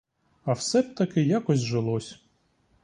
А все б таки якось жилось.